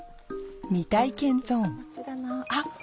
未体験ゾーンあ！